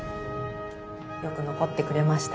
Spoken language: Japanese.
よく残ってくれました。